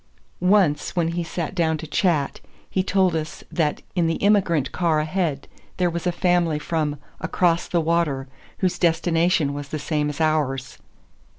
Once when he sat down to chat, he told us that in the immigrant car ahead there was a family from "across the water" whose destination was the same as ours.